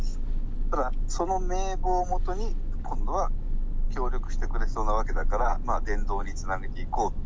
その名簿を基に、今度は協力してくれそうなわけだから、伝道につなげていこうと。